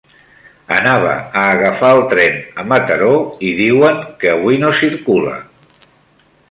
Anava a agafar el tren a Mataró i diuen que avui no circula.